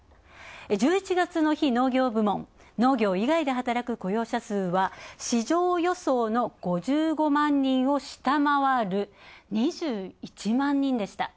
１１月の非農業部門農業以外で働く雇用者数は市場予想の５５万人を下回る２１万人でした。